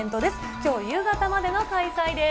きょう夕方までの開催です。